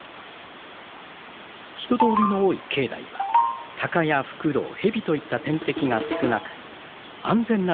人通りの多い境内はタカやフクロウヘビといった天敵が少なく安全な住みか。